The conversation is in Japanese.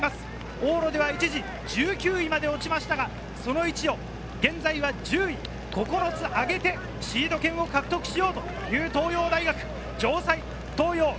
往路では一時１９位まで落ちましたが、その位置を現在１０位、９つ上げてシード権を獲得しようという東洋大学。